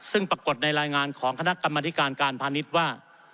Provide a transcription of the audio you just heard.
ซึ่งปรากฏในรายงานของคณะกรรมธิการการพาณิชย์ว่า